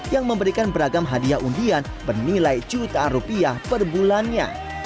yang memberikan beragam hadiah undian bernilai jutaan rupiah per bulannya